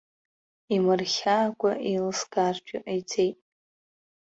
Имырхьаакәа еилыскааартә иҟаиҵеит.